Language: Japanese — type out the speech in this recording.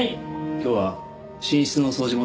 今日は寝室の掃除も頼むよ。